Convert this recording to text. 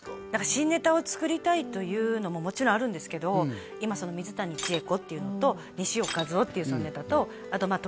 新ネタを作りたいというのももちろんあるんですけど今その水谷千重子っていうのと西尾一男っていうそのネタとあとまあ